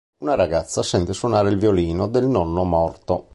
Una ragazza sente suonare il violino del nonno morto.